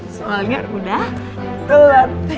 soalnya udah selesai